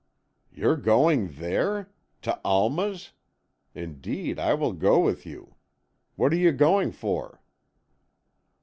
"You're going there? To Alma's? Indeed I will go with you. What are you going for?"